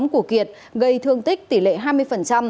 của kiệt gây thương tích tỷ lệ hai mươi